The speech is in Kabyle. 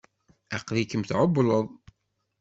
Aql-ikem tεewwleḍ.